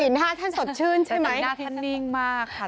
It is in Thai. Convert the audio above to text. หน้าท่านสดชื่นใช่ไหมหน้าท่านนิ่งมากค่ะ